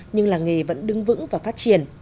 nhưng làng nghề vẫn đứng vững và phát triển